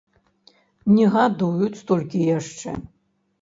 Не гадуюць столькі яшчэ.